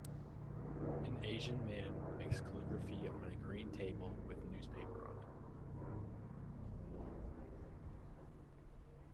An Asian man makes calligraphy on a green table with newspaper on it.